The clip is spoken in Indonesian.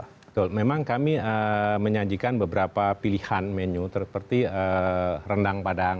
betul memang kami menyajikan beberapa pilihan menu seperti rendang padang